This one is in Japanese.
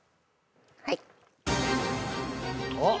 はい。